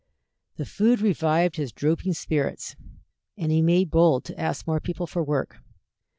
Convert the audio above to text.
The food revived his drooping spirits, and he made bold to ask more people for work.